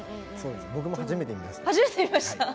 僕も初めて見ました。